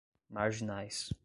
marginais